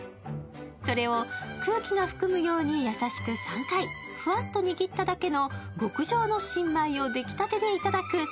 それを空気が含むように優しく３回、ふわっと握っただけの極上の新米を出来たてでいただく。